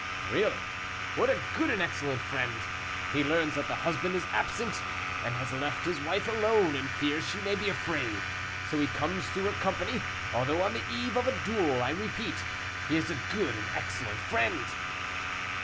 Really, what a good and excellent friend! He learns that the husband is absent, and has left his wife alone, and fears she may be afraid, so he comes to keep her company, although on the eve of a duel. I repeat, he is a good and excellent friend!"